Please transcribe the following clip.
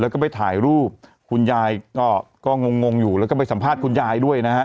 แล้วก็ไปถ่ายรูปคุณยายก็งงอยู่แล้วก็ไปสัมภาษณ์คุณยายด้วยนะฮะ